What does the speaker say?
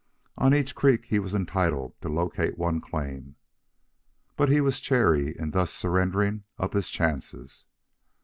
On each creek he was entitled to locate one claim, but he was chary in thus surrendering up his chances.